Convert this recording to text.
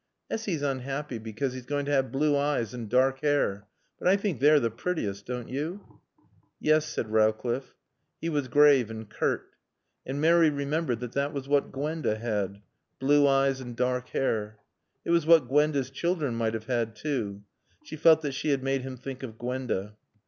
Essy's unhappy because he's going to have blue eyes and dark hair. But I think they're the prettiest, don't you?" "Yes," said Rowcliffe. He was grave and curt. And Mary remembered that that was what Gwenda had blue eyes and dark hair. It was what Gwenda's children might have had, too. She felt that she had made him think of Gwenda.